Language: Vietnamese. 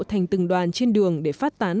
thành từng đoàn trên đường để phát tán